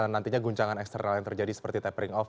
nantinya guncangan eksternal yang terjadi seperti tapering off